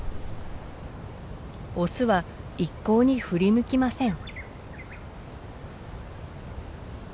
オスは一向に振り向きません。